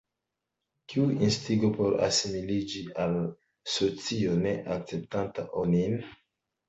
Kiu instigo por asimiliĝi al socio ne akceptanta onin?